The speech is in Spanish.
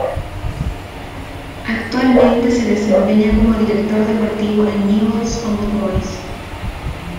Actualmente se desempeña como director deportivo en Newell's Old Boys.